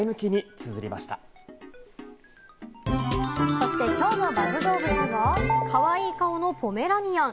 そして、きょうのＢＵＺＺどうぶつは、かわいい顔のポメラニアン！